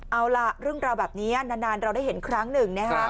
เอาล่ะเรื่องราวแบบนี้นานเราได้เห็นครั้งหนึ่งนะครับ